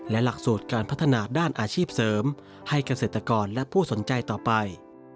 และหลักสูตรการพัฒนาด้านอาชีพเสริมให้เกษตรกรและผู้สนใจต่อไป